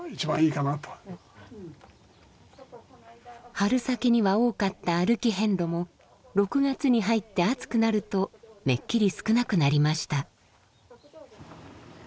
春先には多かった歩き遍路も６月に入って暑くなるとめっきり少なくなりました。